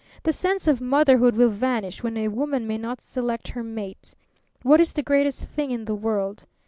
The sense of motherhood will vanish when a woman may not select her mate. What is the greatest thing in the world?